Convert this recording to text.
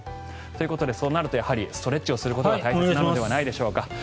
ということで、そうなるとストレッチをすることが大切なんじゃないでしょうか。